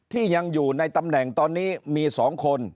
ที่ยังอยู่ในตำแหน่งตอนนี้มี๒คน